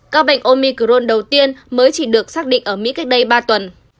các bệnh omicron đầu tiên mới chỉ được xác định ở mỹ cách đây ba tuần